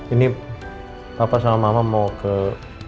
ini papa sama mama mau ke dokter kamu mau ikut